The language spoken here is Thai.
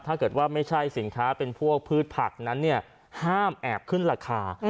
ถ้าเกิดว่าไม่ใช่สินค้าเป็นพวกพืชผักนั้นเนี่ยห้ามแอบขึ้นราคา